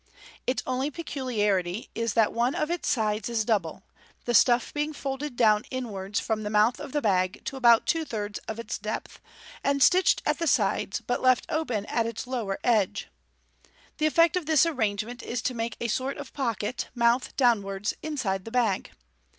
Its only peculiarity is that one 'jf its sides is double, the stuff being folded down inwards from the mouth of the bag to about two thirds of its depth, and stitched at the sides, but left open at its lower edge. The effect of this arrangement is to make a sort of pocket, mouth downwards, inside the bag.